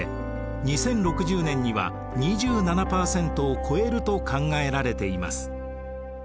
２０６０年には２７％を超えると考えられています。